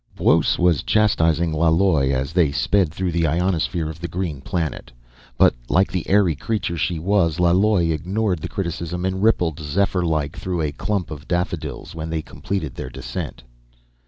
_ Buos was chastising Laloi as they sped through the ionosphere of the green planet. But like the airy creature she was, Laloi ignored the criticism and rippled zephyr like through a clump of daffodils when they completed their descent.